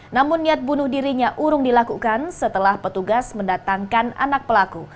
namun niat bunuh dirinya urung dilakukan setelah petugas mendatangkan anak pelaku